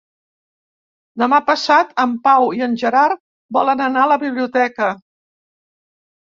Demà passat en Pau i en Gerard volen anar a la biblioteca.